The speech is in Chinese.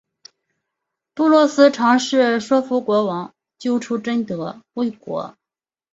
布罗斯尝试说服国王救出贞德未果。